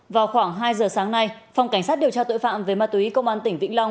vào khoảng hai giờ sáng nay phòng cảnh sát điều tra tội phạm về ma túy công an tỉnh vĩnh long